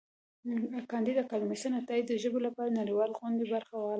کانديد اکاډميسن عطايي د ژبې لپاره د نړیوالو غونډو برخه وال و.